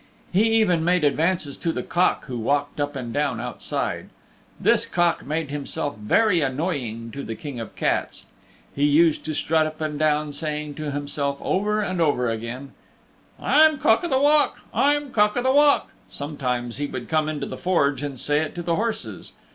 He even made advances to the Cock who walked up and down outside. This Cock made himself very annoying to the King of the Cats. He used to strut up and down saying to himself over and over again, "I'm Cock o' the Walk, I'm Cock o' the Walk." Sometimes he would come into the Forge and say it to the horses.